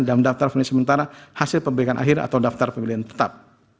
dan daftar pemilih sementara hasil pembaikan akhir atau daftar pemilihan tetap